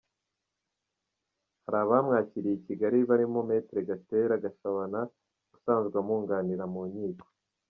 Hari abamwakiriye i Kigali barimo Maitre Gatera Gashabana usanzwe amwunganira mu Nkiko.